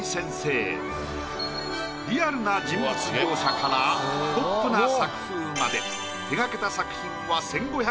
リアルな人物描写からポップな作風まで。